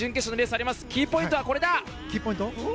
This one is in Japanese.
キーポイントはこれだ！